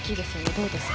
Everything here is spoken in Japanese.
どうですか。